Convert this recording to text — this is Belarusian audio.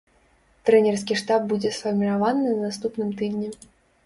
Трэнерскі штаб будзе сфармаваны на наступным тыдні.